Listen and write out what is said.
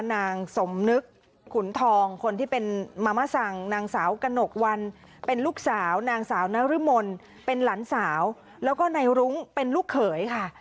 นางสมนึกขุนทองคนที่เป็นมามสังนางสาวกระหนกวันเป็นลูกสาวนางสาวนรมนเป็นหลานสาวแล้วก็นายรุ้งเป็นลูกเขยค่ะ